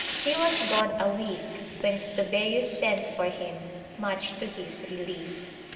He was gone a week, when Stobæus sent for him, much to his relief.